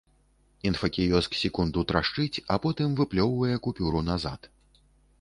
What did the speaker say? Інфакіёск секунду трашчыць, а потым выплёўвае купюру назад.